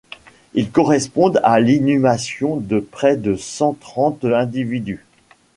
Ils correspondent à l'inhumation de près de cent trente individus.